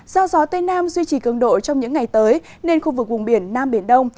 do gió tây nam duy trì cường độ trong những ngày tới nên khu vực vùng biển nam biển đông